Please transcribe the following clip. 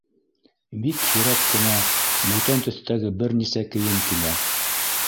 Бик һирәк кенә бүтән төҫтәге бер нисә кейем килә.